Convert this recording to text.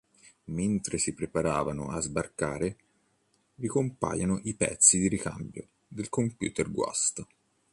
Mentre si preparano a sbarcare, ricompaiono i pezzi di ricambio del computer guasto.